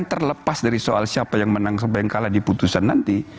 terlepas dari soal siapa yang menang siapa yang kalah di putusan nanti